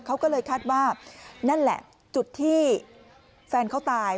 เขาก็เลยคาดว่านั่นแหละจุดที่แฟนเขาตาย